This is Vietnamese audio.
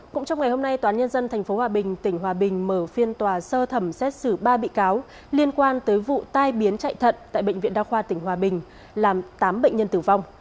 cũng trong ngày hôm nay toán nhân dân tp hòa bình tỉnh hòa bình mở phiên tòa sơ thẩm xét xử ba bị cáo liên quan tới vụ tai biến chạy thận tại bệnh viện đa khoa tỉnh hòa bình làm tám bệnh nhân tử vong